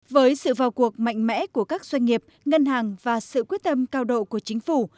với sự vào cuộc mạnh mẽ của các doanh nghiệp ngân hàng và sự quyết tâm cao độ của chính phủ